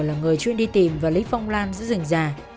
là người chuyên đi tìm và lấy phong lan giữ rừng già